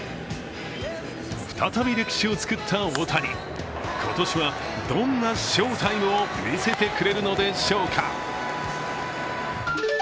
再び歴史を作った大谷、今年はどんな翔タイムを見せてくれるのでしょうか。